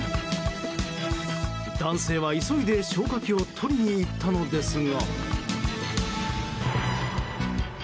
男性は急いで消火器を取りに行ったのですが。